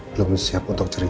belum siap untuk cerita